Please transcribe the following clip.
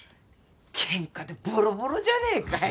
ケンカでボロボロじゃねえかよ。